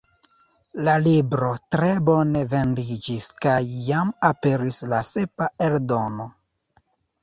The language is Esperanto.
La libro tre bone vendiĝis kaj jam aperis la sepa eldono.